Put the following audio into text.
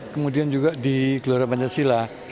kemudian juga di gelarabancasila